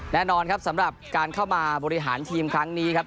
แน่นอนครับสำหรับการเข้ามาบริหารทีมครั้งนี้ครับ